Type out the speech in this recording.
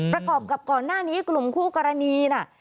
ประกอบกับก่อนหน้านี้กลุ่มคู่กรณีน่ะ